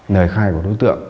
nơi khai của đối tượng